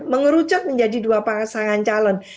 mengerucut menjadi dua pasangan calon